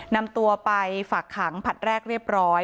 นำตัวไปฝากขังผัดแรกเรียบร้อย